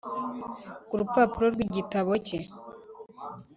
ku rupapuro rw'igitabo cye,